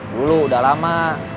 dulu udah lama